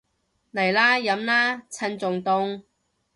嚟啦，飲啦，趁仲凍